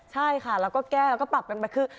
ใช่ค่ะเราก็แก้เราก็ปรับเป็นไปคือ